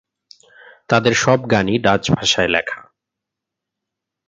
তাদের সব গানই ডাচ ভাষায় লেখা।